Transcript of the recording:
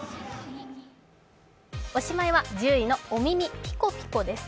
おしまいは１０位の「お耳ぴこぴこ」です。